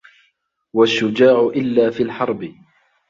وَالشُّجَاعُ إلَّا فِي الْحَرْبِ